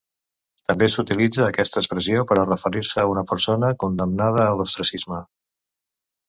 També s'utilitza aquesta expressió per a referir-se a una persona condemnada a l'ostracisme.